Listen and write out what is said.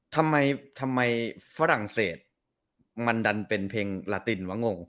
ทำไมฟรั่งเศสมันดันเป็นเพลงลาติน